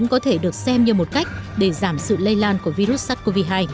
có thể được xem như một cách để giảm sự lây lan của virus sars cov hai